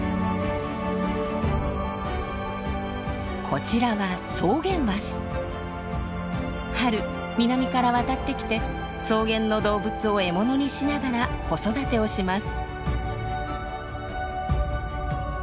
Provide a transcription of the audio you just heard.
こちらは春南から渡ってきて草原の動物を獲物にしながら子育てをします。